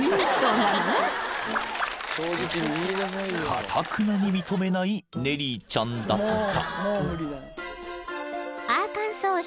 ［かたくなに認めないネリーちゃんだった］